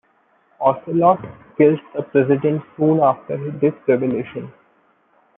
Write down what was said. Ocelot kills the President soon after this revelation.